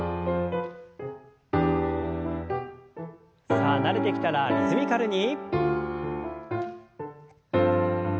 さあ慣れてきたらリズミカルに。